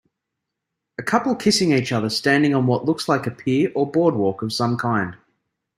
A couple kissing each other standing on what looks like a peer or boardwalk of some kind.